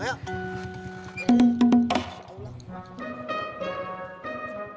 di sekolah fos